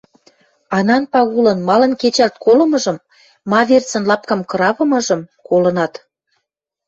Анан Пагулын малын кечӓлт колымыжым, ма верцӹн лапкам кравымыжым колынат